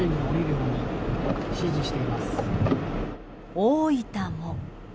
大分も。